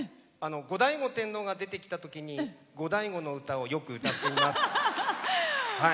後醍醐天皇が出てきたときにゴダイゴの歌をよく歌っています。